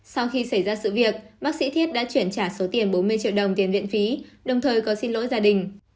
sau khi xảy ra sự việc bác sĩ thiết đã chuyển trả số tiền bốn mươi triệu đồng tiền viện phí đồng thời có xin lỗi gia đình